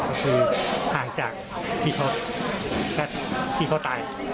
ก็คือห่างจากที่เขาตาย